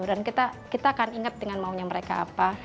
dan kita akan ingat dengan maunya mereka apa